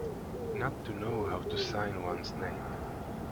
Not to know how to sign one's name.